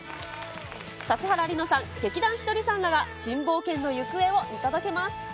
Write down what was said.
指原莉乃さん、劇団ひとりさんらが新冒険の行方を見届けます。